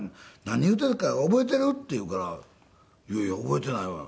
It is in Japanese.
何言うてたか覚えてる？」って言うから「いやいや覚えてないわ」